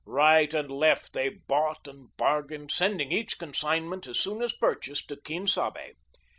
Right and left they bought and bargained, sending each consignment as soon as purchased to Quien Sabe.